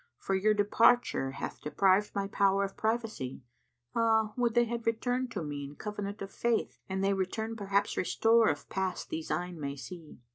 * For your departure hath deprived my power of privacy!' Ah, would they had returned to me in covenant of faith * An they return perhaps restore of past these eyne may see."